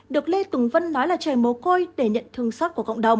được lê tùng vân nói là trẻ mồ côi để nhận thương xót của cộng đồng